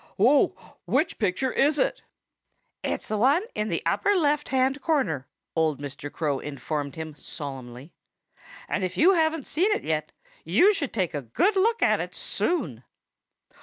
"Oh, which picture is it?" "It's the one in the upper left hand corner," old Mr. Crow informed him solemnly. "And if you haven't yet seen it, you should take a good look at it soon."